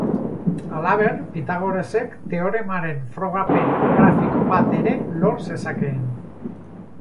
Halaber, Pitagorasek, teoremaren frogapen grafiko bat ere lor zezakeen.